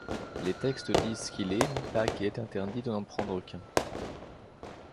Les textes disent qu'il est mais pas qu'il est interdit de n'en prendre qu'un.